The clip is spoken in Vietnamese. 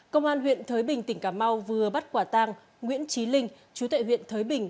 công an huyện thới bình tỉnh cà mau vừa bắt quả tang nguyễn trí linh chú tệ huyện thới bình